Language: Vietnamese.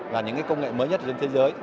là những công nghệ mới nhất trên thế giới